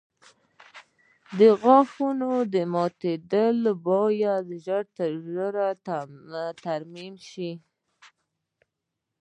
د غاښونو ماتېدل باید ژر تر ژره ترمیم شي.